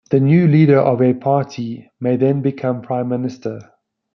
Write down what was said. The new leader of a party may then become prime minister.